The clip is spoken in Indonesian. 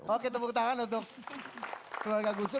oke tepuk tangan untuk keluarga gus dur